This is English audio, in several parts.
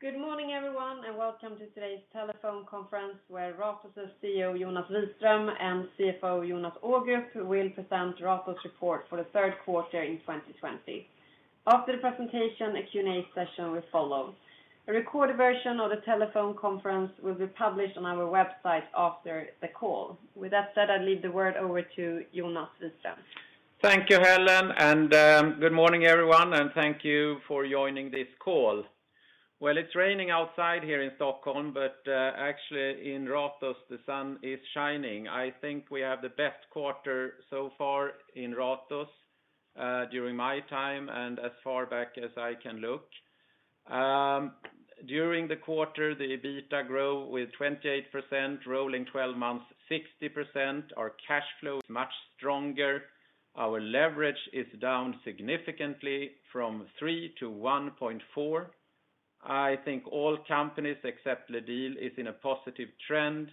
Good morning, everyone, and welcome to today's telephone conference where Ratos CEO, Jonas Wiström, and CFO, Jonas Ågrup, will present Ratos Report for the Third Quarter in 2020. After the presentation, a Q&A session will follow. A recorded version of the telephone conference will be published on our website after the call. With that said, I leave the word over to Jonas Wiström. Thank you, Helene, good morning, everyone, and thank you for joining this call. It's raining outside here in Stockholm, but actually in Ratos, the sun is shining. I think we have the best quarter so far in Ratos during my time and as far back as I can look. During the quarter, the EBITDA grew with 28%, rolling 12 months, 60%. Our cash flow is much stronger. Our leverage is down significantly from 3x-1.4x. I think all companies except LEDiL is in a positive trend.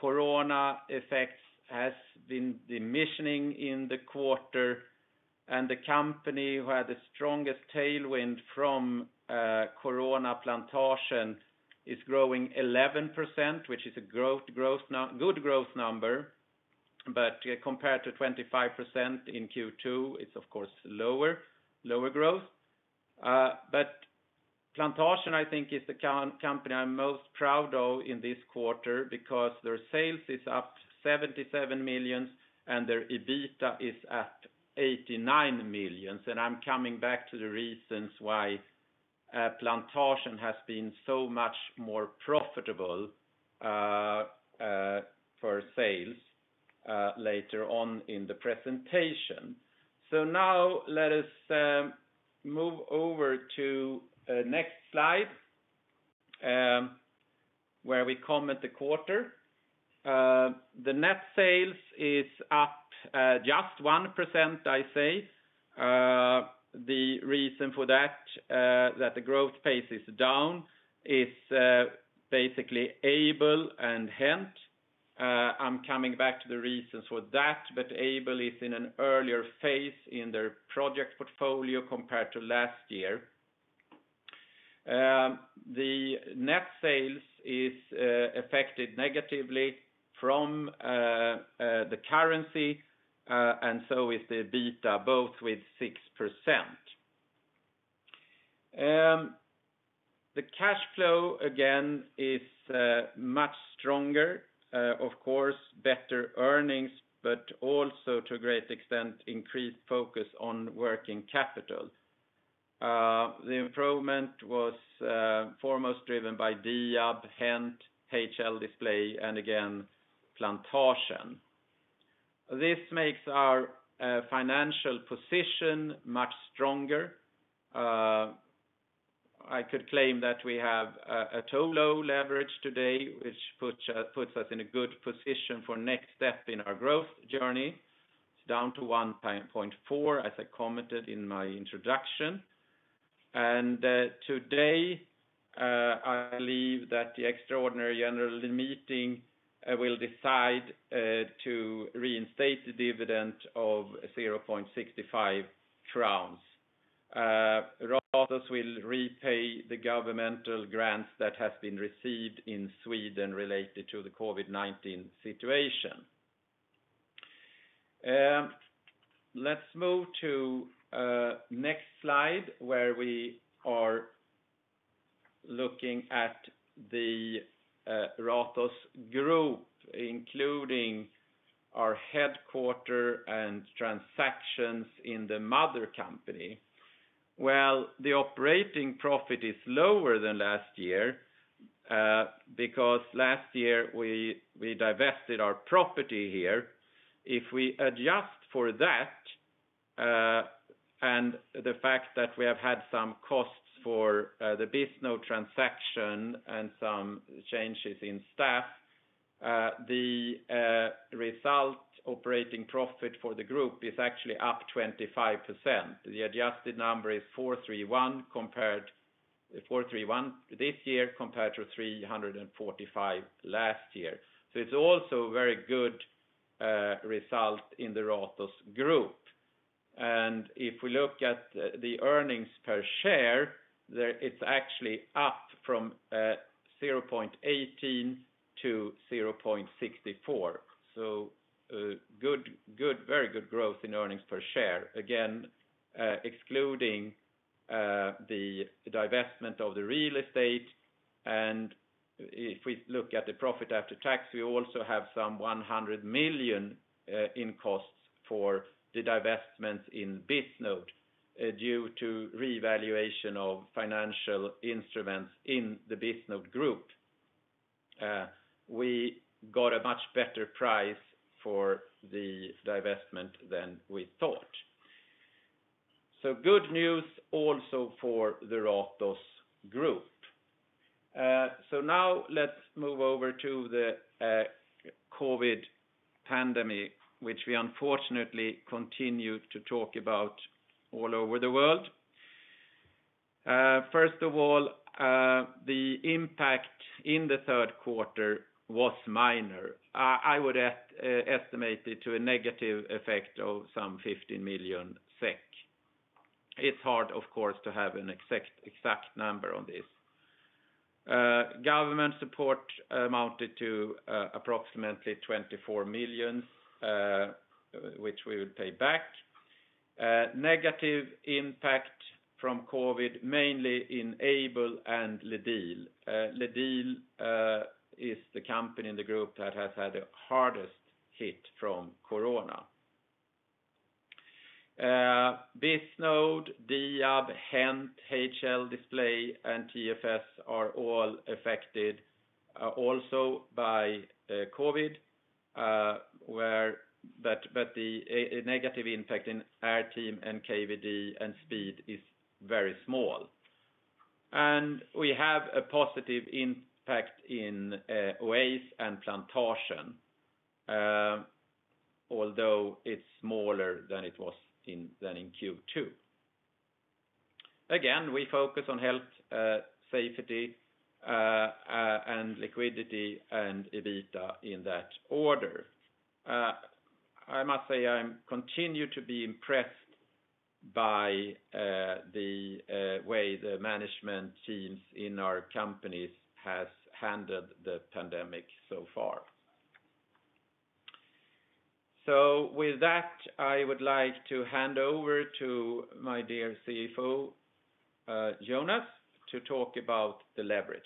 Corona effects has been diminishing in the quarter, the company who had the strongest tailwind from Corona Plantasjen is growing 11%, which is a good growth number. Compared to 25% in Q2, it's of course lower growth. Plantasjen, I think, is the company I am most proud of in this quarter because their sales is up 77 million and their EBITDA is up 89 million. I am coming back to the reasons why Plantasjen has been so much more profitable for sales later on in the presentation. Now let us move over to next slide where we comment the quarter. The net sales is up just 1%, I say. The reason for that the growth pace is down is basically Aibel and HENT. I am coming back to the reasons for that, but Aibel is in an earlier phase in their project portfolio compared to last year. The net sales is affected negatively from the currency, and so is the EBITDA, both with 6%. The cash flow, again, is much stronger. Of course, better earnings, but also to a great extent, increased focus on working capital. The improvement was foremost driven by Diab, HENT, HL Display, and again, Plantasjen. This makes our financial position much stronger. I could claim that we have a total low leverage today, which puts us in a good position for next step in our growth journey. It's down to 1.4x, as I commented in my introduction. Today, I believe that the extraordinary general meeting will decide to reinstate the dividend of 0.65 crowns. Ratos will repay the governmental grants that have been received in Sweden related to the COVID-19 situation. Let's move to next slide where we are looking at the Ratos Group, including our headquarter and transactions in the mother company. Well, the operating profit is lower than last year because last year we divested our property here. If we adjust for that, and the fact that we have had some costs for the Bisnode transaction and some changes in staff, the result operating profit for the group is actually up 25%. The adjusted number is 431 this year compared to 345 last year. It's also very good result in the Ratos Group. If we look at the earnings per share, it's actually up from 0.18-0.64. Very good growth in earnings per share, again excluding the divestment of the real estate. If we look at the profit after tax, we also have some 100 million in costs for the divestments in Bisnode due to revaluation of financial instruments in the Bisnode Group. We got a much better price for the divestment than we thought. Good news also for the Ratos Group. Now let's move over to the COVID pandemic, which we unfortunately continue to talk about all over the world. First of all, the impact in the third quarter was minor. I would estimate it to a negative effect of some 15 million SEK. It's hard, of course, to have an exact number on this. Government support amounted to approximately 24 million, which we will pay back. Negative impact from COVID-19 mainly in Aibel and LEDiL. LEDiL is the company in the group that has had the hardest hit from COVID-19. Bisnode, Diab, HENT, HL Display, and TFS are all affected also by COVID, but the negative impact in airteam and KVD and Speed is very small. We have a positive impact in Oase and Plantasjen, although it's smaller than it was in Q2. Again, we focus on health, safety, and liquidity, and EBITDA in that order. I must say, I continue to be impressed by the way the management teams in our companies have handled the pandemic so far. With that, I would like to hand over to my dear CFO, Jonas, to talk about the leverage.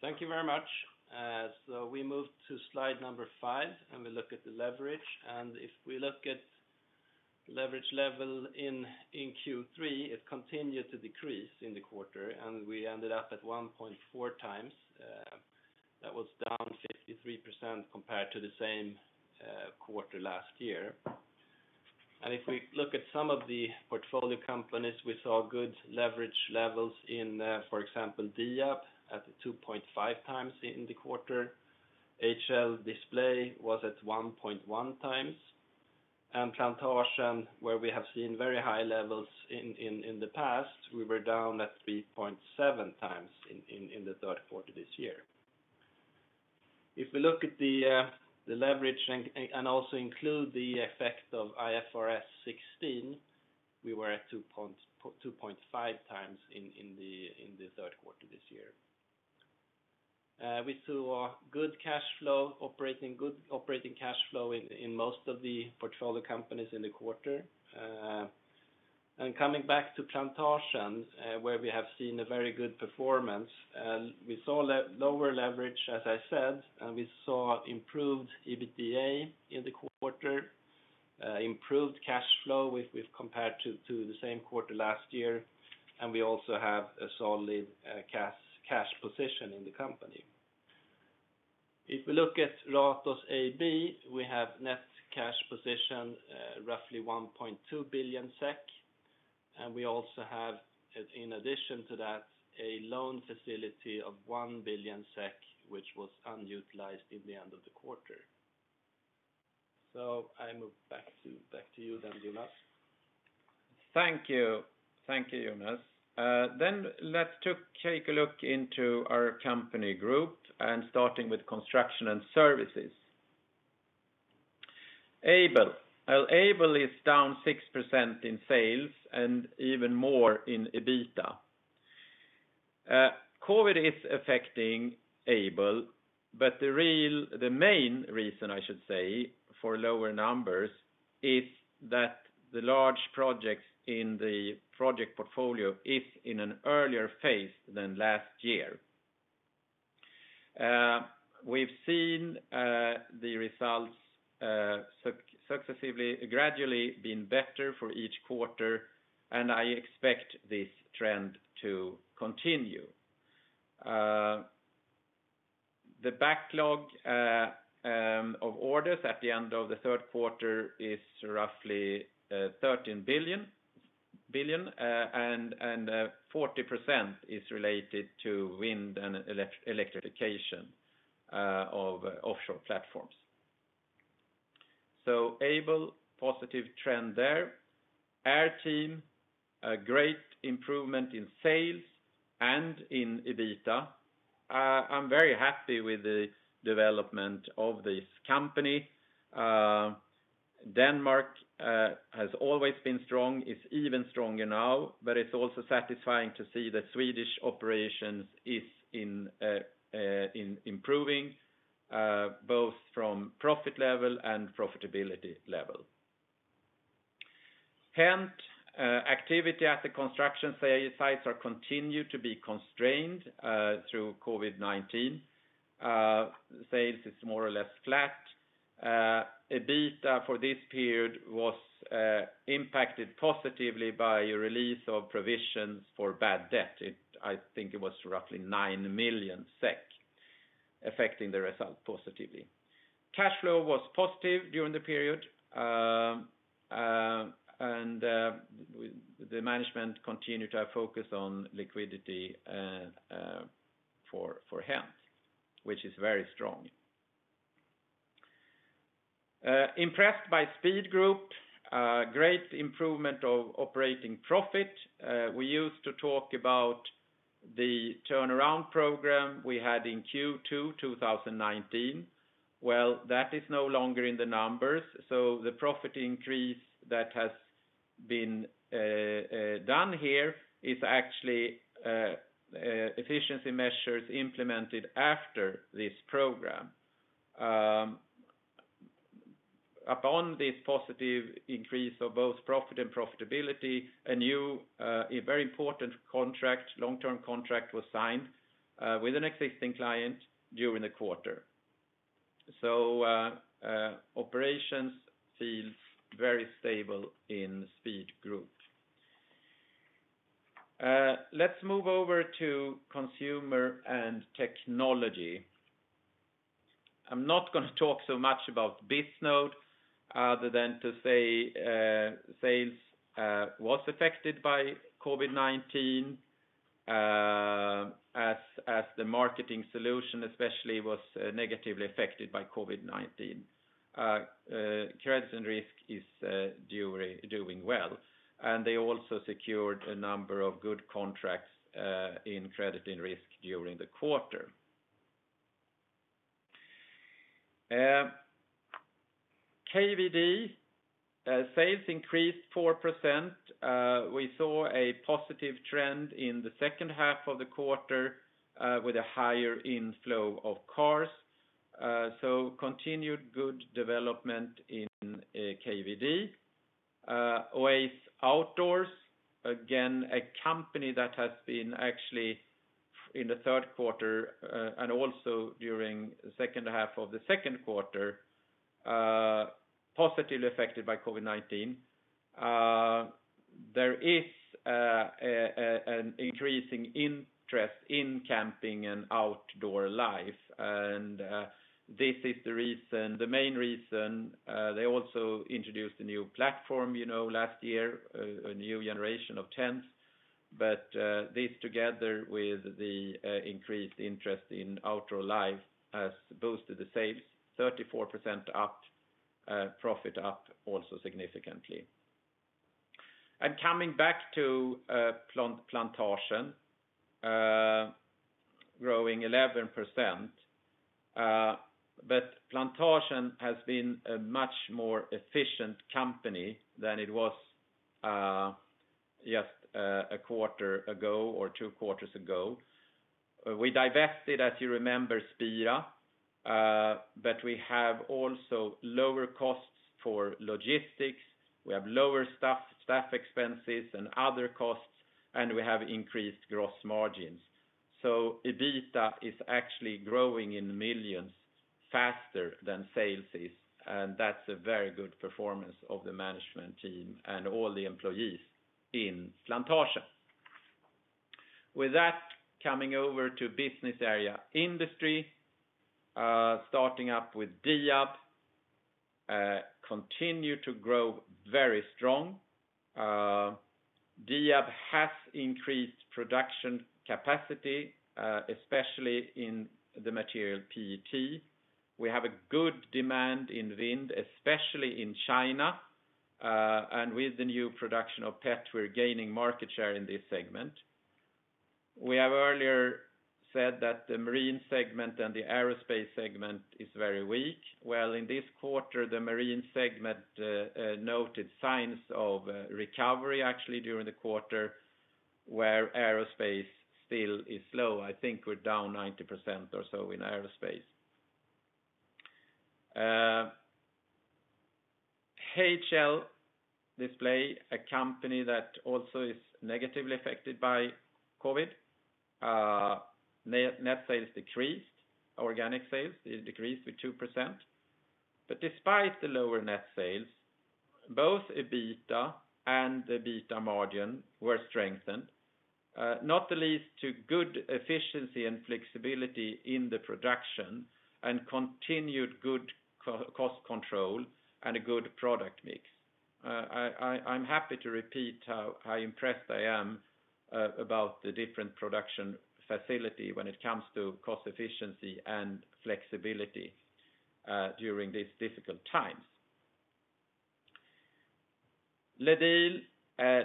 Thank you very much. We move to slide number five, and we look at the leverage. If we look at leverage level in Q3, it continued to decrease in the quarter, and we ended up at 1.4x. That was down 53% compared to the same quarter last year. If we look at some of the portfolio companies, we saw good leverage levels in, for example, Diab at 2.5x in the quarter. HL Display was at 1.1x. Plantasjen, where we have seen very high levels in the past, we were down at 3.7x in the third quarter this year. If we look at the leverage and also include the effect of IFRS 16, we were at 2.5x in the third quarter this year. We saw good operating cash flow in most of the portfolio companies in the quarter. Coming back to Plantagen, where we have seen a very good performance, we saw lower leverage, as I said, and we saw improved EBITDA in the quarter, improved cash flow compared to the same quarter last year, and we also have a solid cash position in the company. If we look at Ratos AB, we have net cash position roughly 1.2 billion SEK, and we also have, in addition to that, a loan facility of 1 billion SEK, which was unutilized in the end of the quarter. I move back to you then, Jonas. Thank you, Jonas. Let's take a look into our company group and starting with construction and services. Aibel. Aibel is down 6% in sales and even more in EBITDA. COVID is affecting Aibel, the main reason, I should say, for lower numbers is that the large projects in the project portfolio is in an earlier phase than last year. We've seen the results gradually being better for each quarter, and I expect this trend to continue. The backlog of orders at the end of the third quarter is roughly SEK 13 billion, 40% is related to wind and electrification of offshore platforms. Aibel, positive trend there. airteam, a great improvement in sales and in EBITDA. I'm very happy with the development of this company. Denmark has always been strong. It's even stronger now, but it's also satisfying to see that Swedish operations is improving both from profit level and profitability level. HENT, activity at the construction sites are continued to be constrained through COVID-19. Sales is more or less flat. EBITDA for this period was impacted positively by a release of provisions for bad debt. I think it was roughly 9 million SEK affecting the result positively. Cash flow was positive during the period, and the management continued to have focus on liquidity for HENT, which is very strong. Impressed by Speed Group. Great improvement of operating profit. We used to talk about the turnaround program we had in Q2 2019. Well, that is no longer in the numbers. The profit increase that has been done here is actually efficiency measures implemented after this program. Upon this positive increase of both profit and profitability, a very important long-term contract was signed with an existing client during the quarter. Operations feels very stable in Speed Group. Let's move over to consumer and technology. I'm not going to talk so much about Bisnode other than to say sales was affected by COVID-19, as the marketing solution especially was negatively affected by COVID-19. Credits and risk is doing well, and they also secured a number of good contracts in credit and risk during the quarter. KVD sales increased 4%. We saw a positive trend in the second half of the quarter with a higher inflow of cars. Continued good development in KVD. Oase Outdoors, again, a company that has been actually in the third quarter, and also during the second half of the second quarter, positively affected by COVID-19. There is an increasing interest in camping and outdoor life. This is the main reason they also introduced a new platform last year, a new generation of tents. This together with the increased interest in Outdoor life has boosted the sales 34% up, profit up also significantly. Coming back to Plantasjen, growing 11%. Plantasjen has been a much more efficient company than it was just a quarter ago or two quarters ago. We divested, as you remember, Spira, but we have also lower costs for logistics. We have lower staff expenses and other costs, and we have increased gross margins. EBITDA is actually growing in millions faster than sales is, and that's a very good performance of the management team and all the employees in Plantasjen. With that, coming over to business area industry, starting up with Diab continue to grow very strong. Diab has increased production capacity, especially in the material PET. We have a good demand in wind, especially in China. With the new production of PET, we're gaining market share in this segment. We have earlier said that the marine segment and the aerospace segment is very weak. Well, in this quarter, the marine segment noted signs of recovery actually during the quarter, where aerospace still is slow. I think we're down 90% or so in aerospace. HL Display, a company that also is negatively affected by COVID. Net sales decreased. Organic sales decreased with 2%. Despite the lower net sales, both EBITDA and EBITDA margin were strengthened, not the least to good efficiency and flexibility in the production, and continued good cost control and a good product mix. I'm happy to repeat how impressed I am about the different production facility when it comes to cost efficiency and flexibility during these difficult times. LEDiL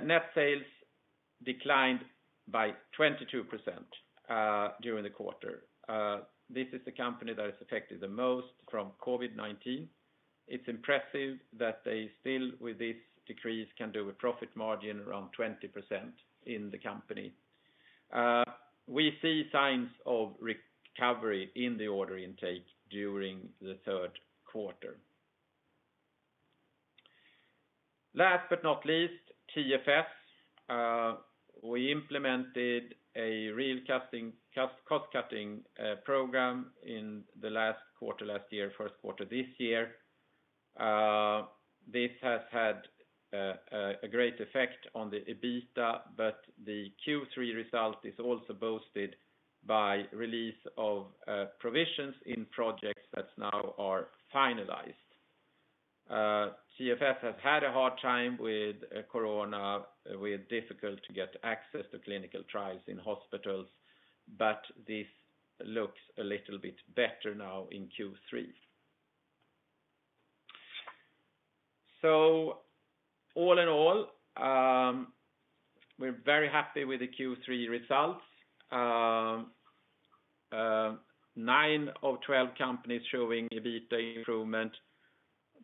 net sales declined by 22% during the quarter. This is the company that is affected the most from COVID-19. It's impressive that they still, with this decrease, can do a profit margin around 20% in the company. We see signs of recovery in the order intake during the third quarter. Last but not least, TFS. We implemented a real cost-cutting program in the last quarter last year, first quarter this year. This has had a great effect on the EBITDA, but the Q3 result is also boosted by release of provisions in projects that now are finalized. TFS has had a hard time with COVID-19 with difficult to get access to clinical trials in hospitals. This looks a little bit better now in Q3. All in all, we're very happy with the Q3 results. Nine of 12 companies showing EBITDA improvement.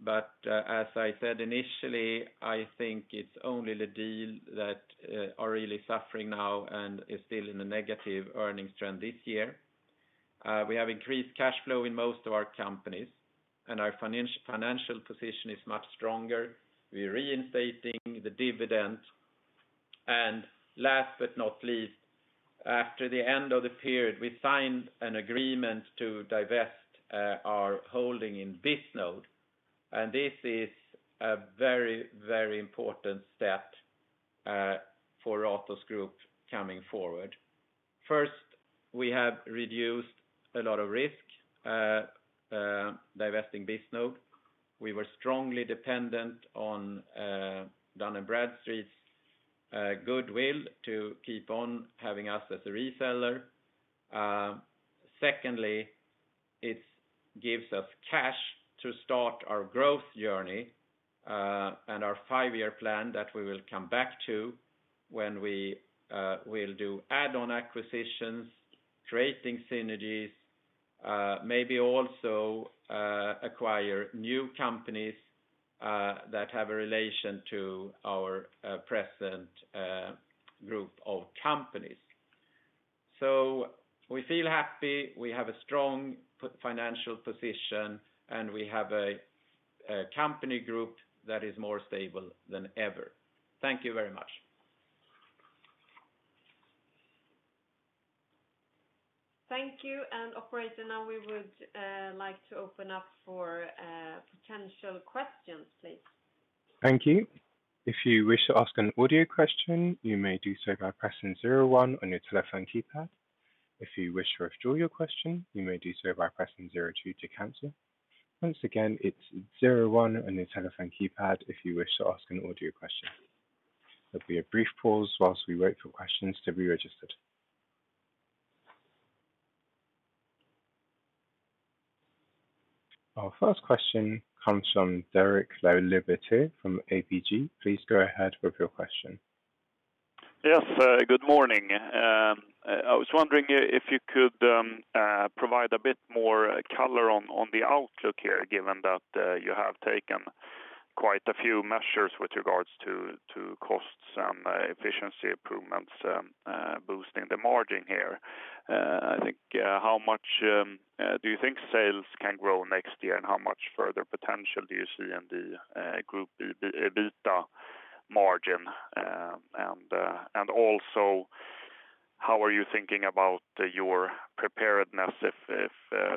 As I said initially, I think it's only LEDiL that are really suffering now and is still in a negative earnings trend this year. We have increased cash flow in most of our companies, and our financial position is much stronger. We are reinstating the dividend. Last but not least, after the end of the period, we signed an agreement to divest our holding in Bisnode. This is a very important step for Ratos Group coming forward. First, we have reduced a lot of risk divesting Bisnode. We were strongly dependent on Dun & Bradstreet's goodwill to keep on having us as a reseller. Secondly, it gives us cash to start our growth journey, and our five-year plan that we will come back to when we will do add-on acquisitions, creating synergies, maybe also acquire new companies that have a relation to our present group of companies. We feel happy. We have a strong financial position, and we have a company group that is more stable than ever. Thank you very much. Thank you. Operator, now we would like to open up for potential questions, please. Thank you. If you wish to ask an audio question you may do so by pressing zero one on your telephone keypad. If you wish to withdraw your question, you may do so by pressing zero two to cancel. Once again its zero one on your telephone keypad if you wish to ask an audio question. I request that we have a brief pause while we wait for questions to be registered. Our first question comes from Derek Laliberté from ABG. Please go ahead with your question. Yes, good morning. I was wondering if you could provide a bit more color on the outlook here, given that you have taken quite a few measures with regards to costs and efficiency improvements, boosting the margin here. How much do you think sales can grow next year, and how much further potential do you see in the group EBITDA margin? Also, how are you thinking about your preparedness if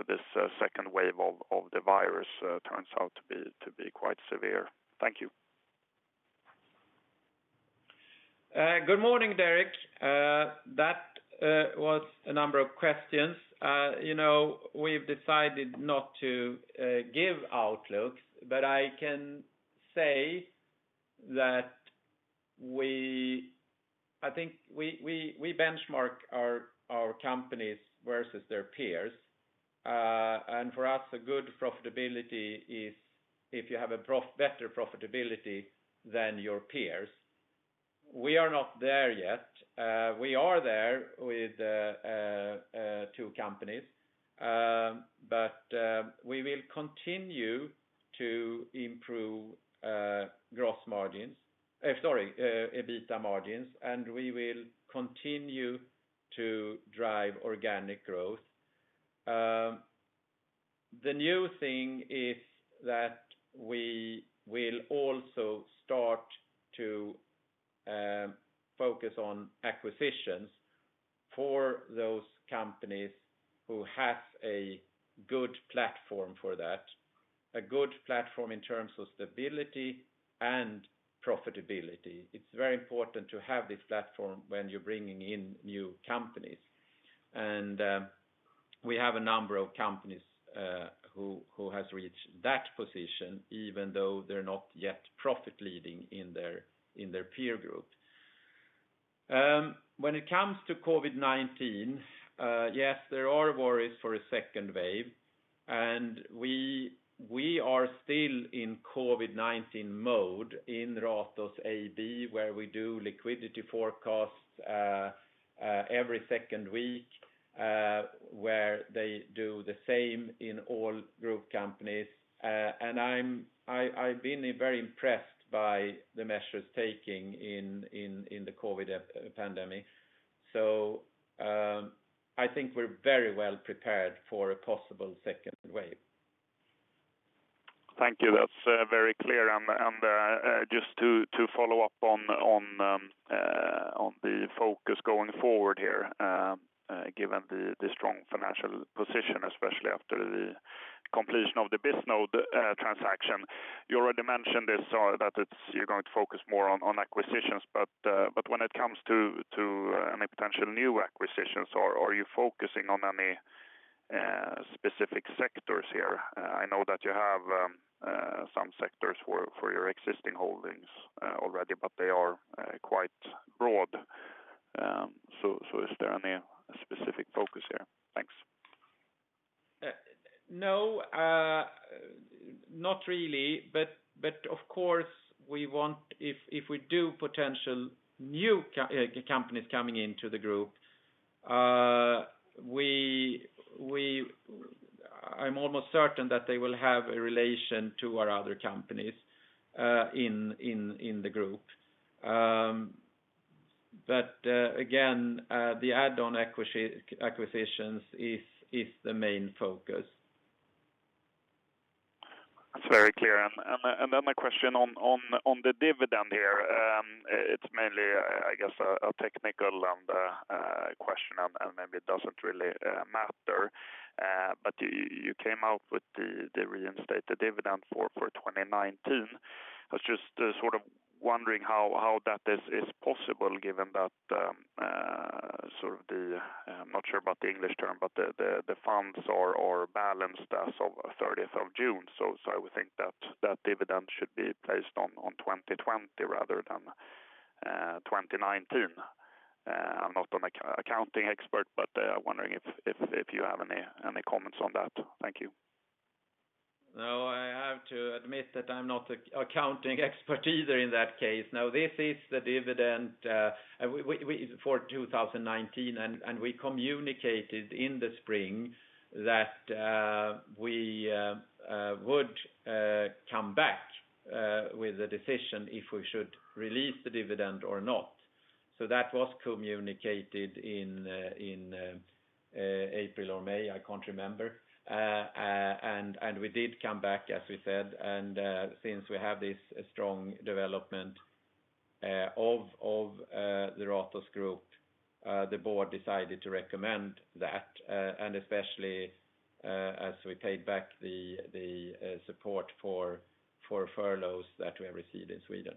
this second wave of the virus turns out to be quite severe? Thank you. Good morning, Derek. That was a number of questions. We've decided not to give outlooks, but I can say that we benchmark our companies versus their peers. For us, a good profitability is if you have a better profitability than your peers. We are not there yet. We are there with two companies. We will continue to improve EBITDA margins, and we will continue to drive organic growth. The new thing is that we will also start to focus on acquisitions for those companies who have a good platform for that, a good platform in terms of stability and profitability. It's very important to have this platform when you're bringing in new companies. We have a number of companies who has reached that position, even though they're not yet profit leading in their peer group. When it comes to COVID-19, yes, there are worries for a second wave, and we are still in COVID-19 mode in Ratos AB, where we do liquidity forecasts every second week where they do the same in all group companies. I've been very impressed by the measures taken in the COVID pandemic. I think we're very well prepared for a possible second wave. Thank you. That's very clear. Just to follow up on the focus going forward here given the strong financial position, especially after the completion of the Bisnode transaction. You already mentioned this, that you're going to focus more on acquisitions. When it comes to any potential new acquisitions, are you focusing on any specific sectors here. I know that you have some sectors for your existing holdings already, but they are quite broad. Is there any specific focus here? Thanks. No, not really. Of course, if we do potential new companies coming into the group, I'm almost certain that they will have a relation to our other companies in the group. Again, the add-on acquisitions is the main focus. That's very clear. Another question on the dividend here. It's mainly, I guess, a technical question and maybe it doesn't really matter, but you came out with the reinstate the dividend for 2019. I was just wondering how that is possible given that, I'm not sure about the English term, but the funds or balance as of 30th of June. I would think that that dividend should be placed on 2020 rather than 2019. I'm not an accounting expert, but I'm wondering if you have any comments on that. Thank you. I have to admit that I'm not an accounting expert either in that case. This is the dividend for 2019. We communicated in the spring that we would come back with a decision if we should release the dividend or not. That was communicated in April or May, I can't remember. We did come back, as we said. Since we have this strong development of the Ratos Group, the board decided to recommend that, and especially as we paid back the support for furloughs that we have received in Sweden.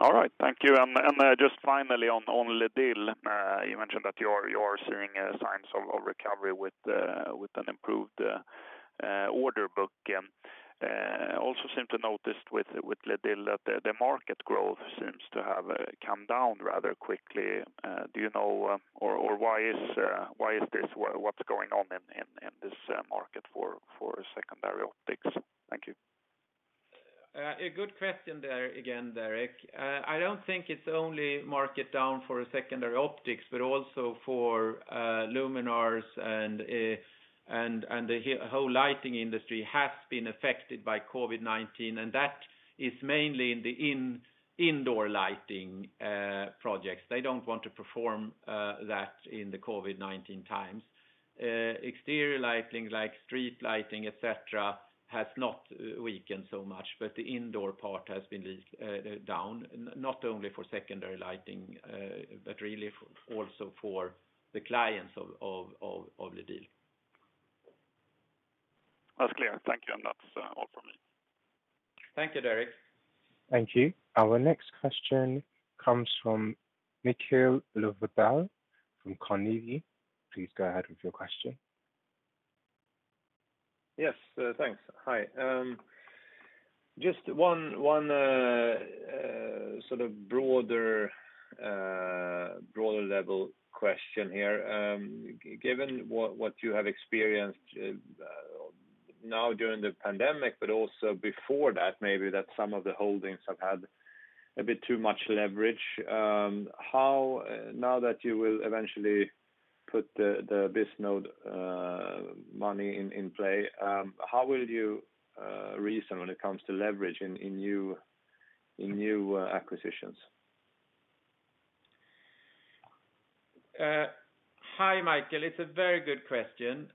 All right. Thank you. Just finally on LEDiL, you mentioned that you are seeing signs of recovery with an improved order book. Also seem to notice with LEDiL that the market growth seems to have come down rather quickly. Do you know or why is this? What's going on in this market for secondary optics? Thank you. A good question there again, Derek. I don't think it's only market down for secondary optics, but also for luminaires and the whole lighting industry has been affected by COVID-19, and that is mainly in the indoor lighting projects. They don't want to perform that in the COVID-19 times. Exterior lighting like street lighting, et cetera, has not weakened so much, but the indoor part has been down, not only for secondary lighting, but really also for the clients of LEDiL. That's clear. Thank you. That's all from me. Thank you, Derek. Thank you. Our next question comes from Mikael Löfdahl from Carnegie. Please go ahead with your question. Yes, thanks. Hi. Just one sort of broader level question here. Given what you have experienced now during the pandemic, but also before that, maybe that some of the holdings have had a bit too much leverage. Now that you will eventually put the Bisnode money in play, how will you reason when it comes to leverage in new acquisitions? Hi, Mikael. It's a very good question.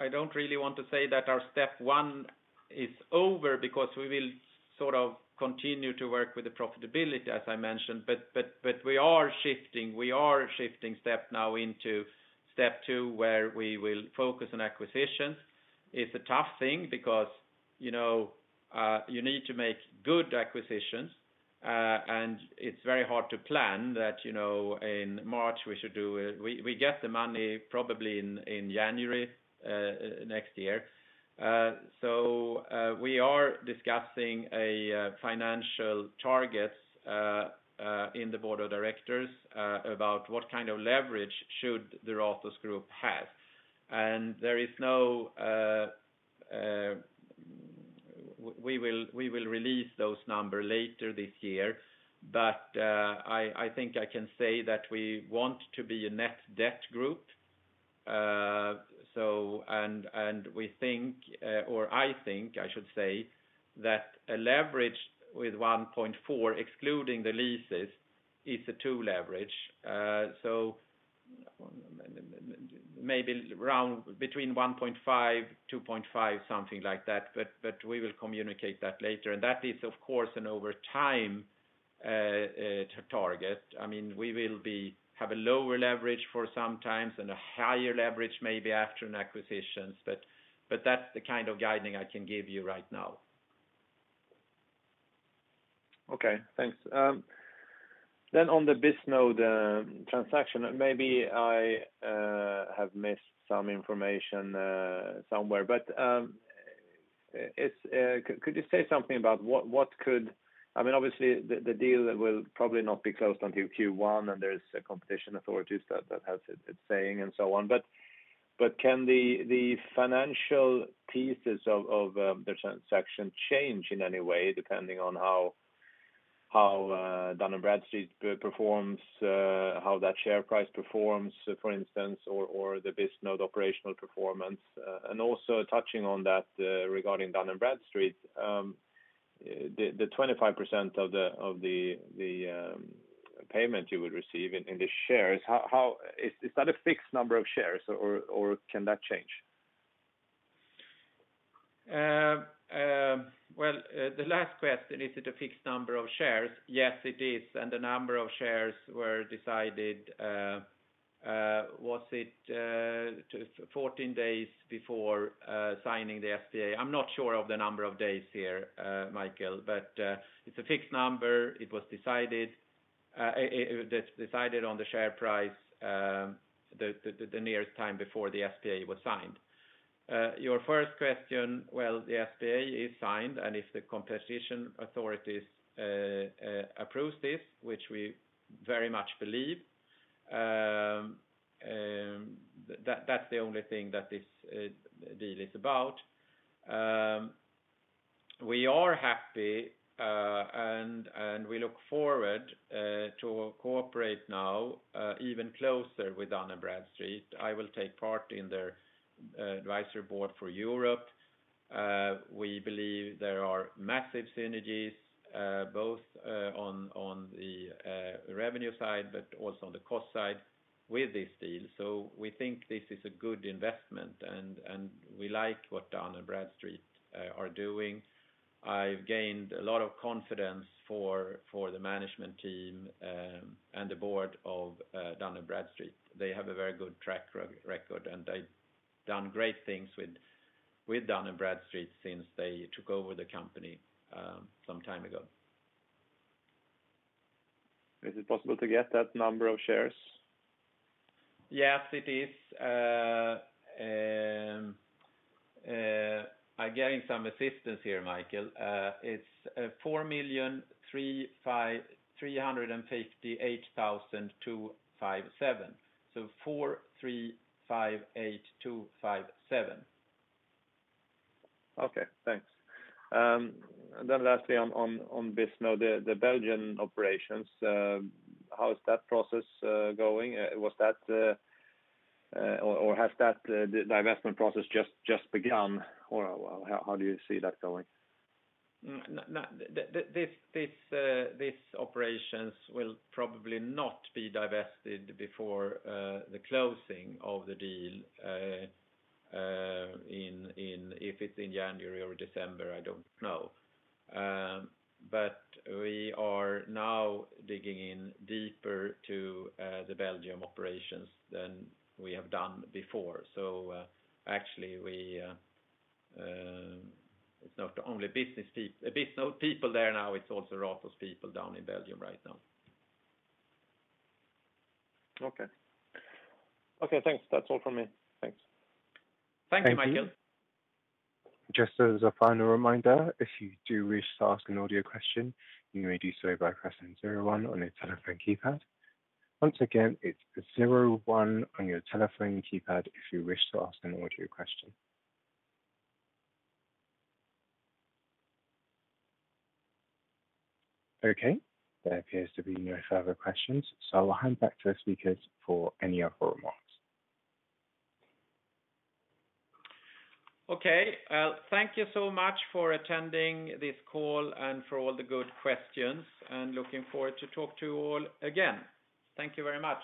I don't really want to say that our step one is over because we will sort of continue to work with the profitability, as I mentioned, but we are shifting step now into step two, where we will focus on acquisitions. It's a tough thing because you need to make good acquisitions, and it's very hard to plan that. We get the money probably in January next year. We are discussing a financial target in the board of directors about what kind of leverage should the Ratos Group have. We will release those numbers later this year, but I think I can say that we want to be a net debt group. I think that a leverage with 1.4x excluding the leases is a 2x leverage. Maybe between 1.5x, 2.5x, something like that, but we will communicate that later. That is, of course, an over time target. We will have a lower leverage for some times and a higher leverage maybe after an acquisition, but that's the kind of guiding I can give you right now. Okay, thanks. On the Bisnode transaction, maybe I have missed some information somewhere, but could you say something about Obviously, the deal will probably not be closed until Q1, and there's competition authorities that has its saying and so on, but can the financial pieces of the transaction change in any way, depending on how Dun & Bradstreet performs, how that share price performs, for instance, or the Bisnode operational performance? Also touching on that regarding Dun & Bradstreet, the 25% of the payment you would receive in the shares, is that a fixed number of shares or can that change? Well, the last question, is it a fixed number of shares? Yes, it is. The number of shares were decided, was it 14 days before signing the SPA? I'm not sure of the number of days here, Mikael, but it's a fixed number, it was decided on the share price the nearest time before the SPA was signed. Your first question, well, the SPA is signed, and if the competition authorities approve this, which we very much believe, that's the only thing that this deal is about. We are happy and we look forward to cooperate now even closer with Dun & Bradstreet. I will take part in their advisory board for Europe. We believe there are massive synergies both on the revenue side, but also on the cost side with this deal. We think this is a good investment, and we like what Dun & Bradstreet are doing. I've gained a lot of confidence for the management team and the board of Dun & Bradstreet. They have a very good track record, and they've done great things with Dun & Bradstreet since they took over the company some time ago. Is it possible to get that number of shares? Yes, it is. I'm getting some assistance here, Mikael. It's 4,358,257. 4,358,257. Okay, thanks. Lastly on Bisnode, the Belgian operations, how is that process going? Has that divestment process just begun, or how do you see that going? These operations will probably not be divested before the closing of the deal. If it's in January or December, I don't know. We are now digging in deeper to the Belgium operations than we have done before. Actually it's not only Bisnode people there now, it's also Ratos people down in Belgium right now. Okay. Okay, thanks. That's all from me. Thanks. Thank you. Thank you. This is a final reminder, if you do wish to ask an audio question you may press zero one on your telephone keypad. Once again, its zero one on your telephone keypad if you wish to ask an audio question. There appears to be no further questions, so I'll hand back to the speakers for any other remarks. Okay. Thank you so much for attending this call and for all the good questions, looking forward to talk to you all again. Thank you very much.